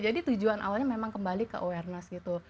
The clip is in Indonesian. jadi tujuan awalnya memang kembali ke awareness gitu